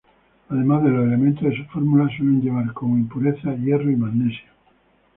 Además de los elementos de su fórmula, suele llevar como impurezas: hierro y magnesio.